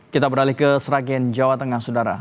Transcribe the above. kita beralih ke seragian jawa tengah saudara